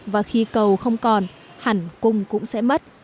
và khi cầu không còn hẳn cung cũng sẽ mất